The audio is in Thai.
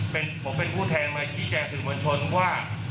ผมเป็นผู้แทนท์แหล่งชี้แจงถึงบัญชนว่า